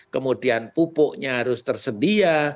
kemudian pupuknya harus tersedia